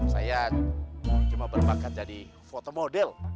saya cuma berbakat jadi fotomodel